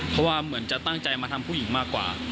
เพราะว่าเหมือนจะตั้งใจมาทำผู้หญิงมากกว่า